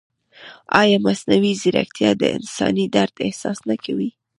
ایا مصنوعي ځیرکتیا د انساني درد احساس نه کوي؟